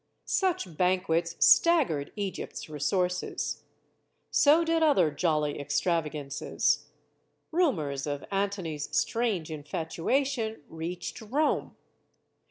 Such banquets staggered Egypt's resources. So did other jolly extravagances. Rumors of Antony's strange infatuation reached Rome.